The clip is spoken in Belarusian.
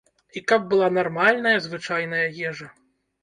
І каб была нармальная звычайная ежа.